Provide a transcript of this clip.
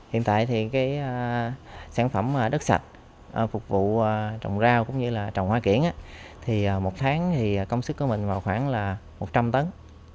hiện tại thì cái sản phẩm đất sạch phục vụ trồng rau cũng như là trồng hoa kiển thì một tháng thì công sức của mình vào khoảng là một trăm linh tấn